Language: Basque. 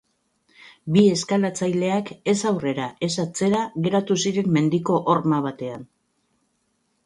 Bi eskalatzaileak ez aurrera ez atzera geratu ziren mendiko horma batean.